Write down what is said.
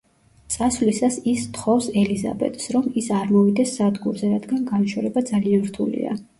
წასვლისას ის თხოვს ელიზაბეტს, რომ ის არ მოვიდეს სადგურზე, რადგან განშორება ძალიან რთულია.